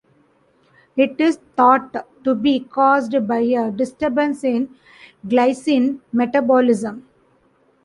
It is thought to be caused by a disturbance in glycine metabolism.